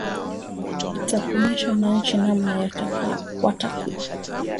za kuonesha wananchi namna watakuwa